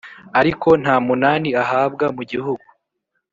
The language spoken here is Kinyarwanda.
Ariko nta munani ahabwa mu gihugu,